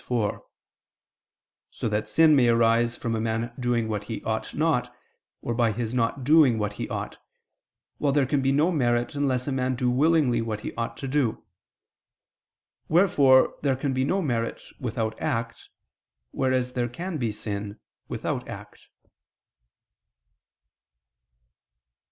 iv): so that sin may arise from a man doing what he ought not, or by his not doing what he ought; while there can be no merit, unless a man do willingly what he ought to do: wherefore there can be no merit without act, whereas there can be sin without act.